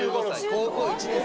高校１年生。